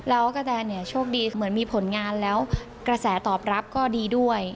แล้วกระแตนเนี่ยโชคดีเหมือนมีผลงานแล้วกระแสตอบรับก็ดีด้วย